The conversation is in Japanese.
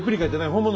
本物。